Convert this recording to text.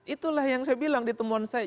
itulah yang saya bilang di temuan saya